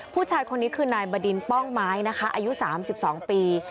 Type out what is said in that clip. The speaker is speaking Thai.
ผู้ชายคนนี้คือนายบดินป้องไม้นะคะอายุ๓๒ปี